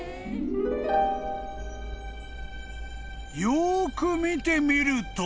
［よーく見てみると］